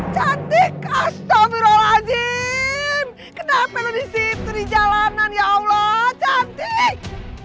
cantik astaghfirullahaladzim kenapa lo disitu di jalanan ya allah cantik